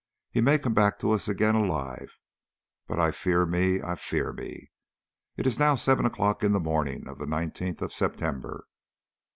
He may come back to us again alive, but I fear me I fear me. It is now seven o'clock of the morning of the 19th of September.